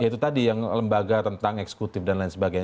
ya itu tadi yang lembaga tentang eksekutif dan lain sebagainya